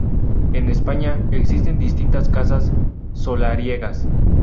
En España existen distintas casas solariegas.